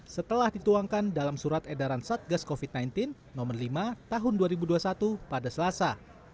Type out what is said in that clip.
setelah dituangkan dalam surat edaran satgas covid sembilan belas no lima tahun dua ribu dua puluh satu pada selasa